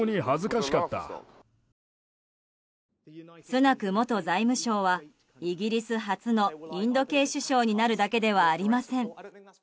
スナク元財務相はイギリス初のインド系首相になるだけではありません。